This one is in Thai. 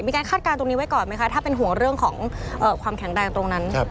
คาดการณ์ตรงนี้ไว้ก่อนไหมคะถ้าเป็นห่วงเรื่องของความแข็งแรงตรงนั้น